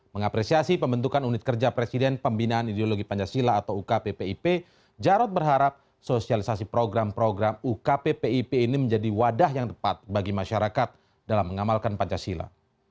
mengapresiasi pembentukan unit kerja presiden pembinaan ideologi pancasila atau ukppip jarod berharap sosialisasi program program ukppip ini menjadi wadah yang tepat bagi masyarakat dalam mengamalkan pancasila